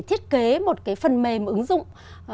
thiết kế một cái phần mềm ứng dụng